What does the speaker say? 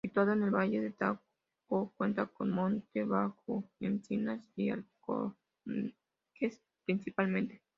Situado en el Valle del Tajo, cuenta con monte bajo, encinas y alcornoques principalmente.